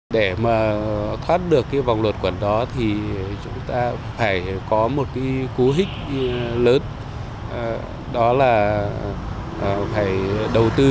để mà thoát được cái vòng luật quẩn đó thì chúng ta phải có một cái cú hích lớn đó là phải đầu tư